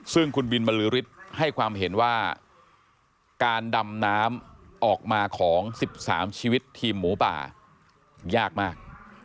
ซึ่งคุณบินบรรลือฤทธิ์ให้ความเห็นว่าการดำน้ำออกมาของ๑๓ชีวิตทีมหมูป่ายากมาก